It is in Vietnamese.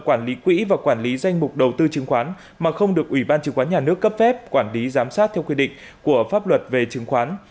quản lý quỹ và quản lý danh mục đầu tư chứng khoán mà không được ủy ban chứng khoán nhà nước cấp phép quản lý giám sát theo quy định của pháp luật về chứng khoán